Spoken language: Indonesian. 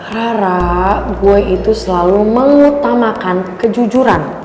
rara gue itu selalu mengutamakan kejujuran